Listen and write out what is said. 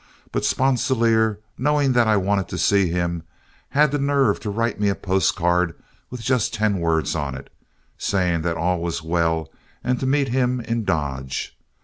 But Sponsilier, knowing that I wanted to see him, had the nerve to write me a postal card with just ten words on it, saying that all was well and to meet him in Dodge.